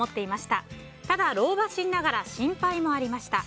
ただ、老婆心ながら心配もありました。